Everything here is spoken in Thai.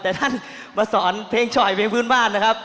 แต่ท่านมาสอนเพลงฉ่อยเพลงพื้นบ้านนะครับ